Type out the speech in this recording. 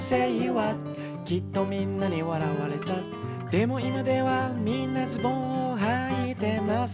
「でも今ではみんなズボンをはいてます」